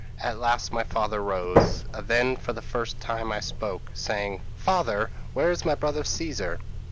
At last my father rose, and then for the first time I spoke, saying, 'Father, where is my brother Caesar?'